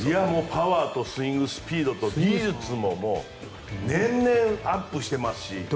パワーとスイングスピードと、技術も年々アップしていますし。